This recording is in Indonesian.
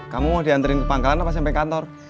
kamu mau diantrin ke pangkalan apa sampe kantor